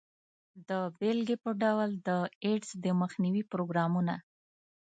د بیلګې په ډول د ایډز د مخنیوي پروګرامونه.